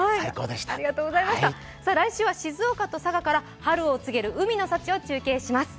来週は静岡と佐賀から春を告げる海の幸を中継します。